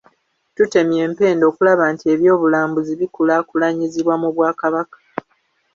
Tutemye empenda okulaba nti eby’obulambuzi bikulaakulanyizibwa mu Bwakabaka.